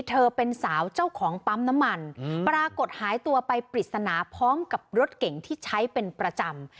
เธอเป็นสาวเจ้าของปั๊มน้ำมันปรากฏหายตัวไปปริศนาพร้อมกับรถเก่งที่ใช้เป็นประจำ